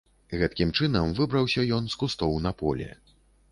Гэткім чынам выбраўся ён з кустоў на поле.